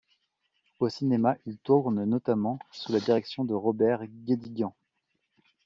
Au cinéma il tourne notamment sous la direction de Robert Guédiguian.